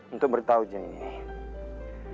untuk memberitahu jin ini